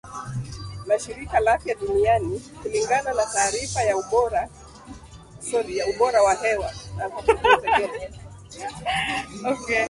na shirika la afya duniani kulingana na taarifa ya ubora wa hewa iliyotolewa mwaka uliopita